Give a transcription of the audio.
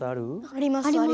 あります。